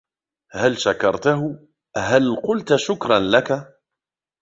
هل شكرتهُ, هل قلت شكراً لك ؟